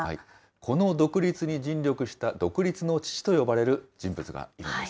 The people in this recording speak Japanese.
この独立に尽力した独立の父と呼ばれる人物がいるんです。